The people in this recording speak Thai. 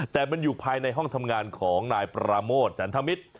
แต่มันอยู่ภายในห้องทำงานของนายปราโมทจันทมิตร